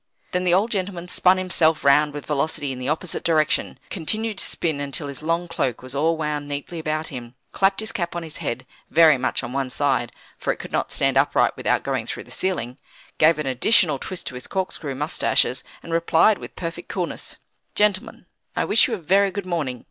Then the old gentleman spun himself round with velocity in the opposite direction; continued to spin until his long cloak was all wound neatly about him; clapped his cap on his head, very much on one side (for it could not stand upright without going through the ceiling), gave an additional twist to his corkscrew moustaches, and replied with perfect coolness: "Gentlemen, I wish you a very good morning.